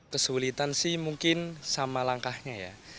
kesulitan sih mungkin sama langkahnya ya